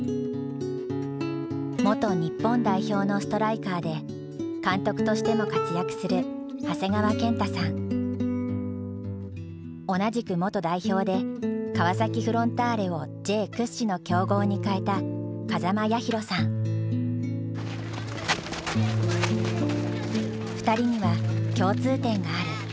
元日本代表のストライカーで監督としても活躍する同じく元代表で川崎フロンターレをＪ屈指の強豪に変えた２人には共通点がある。